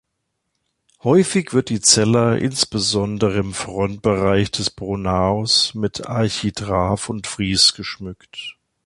Häufig wird die Cella, insbesondere im Frontbereich des Pronaos, mit Architrav und Fries geschmückt.